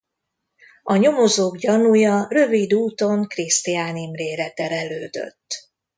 A nyomozók gyanúja rövid úton Krisztián Imrére terelődött.